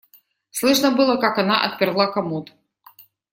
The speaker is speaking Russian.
Слышно было, как она отперла комод.